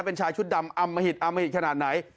เป็นชายชุดดำอมหิตอมหิตขนาดไหน